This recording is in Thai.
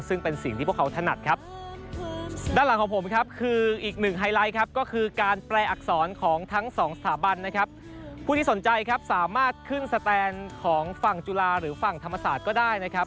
ซึ่งเป็นสิ่งที่พวกเขาถนัดครับ